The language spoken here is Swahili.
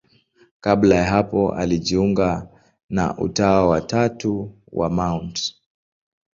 Kabla ya hapo alijiunga na Utawa wa Tatu wa Mt.